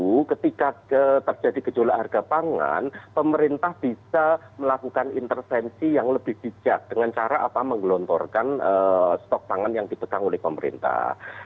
barang tentu ketika terjadi gejola harga pangan pemerintah bisa melakukan intervensi yang lebih bijak dengan cara apa menggelontorkan stok pangan yang ditegang oleh pemerintah